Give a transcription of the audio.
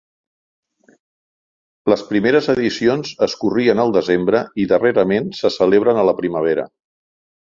Les primeres edicions es corrien el desembre i darrerament se celebren a la primavera.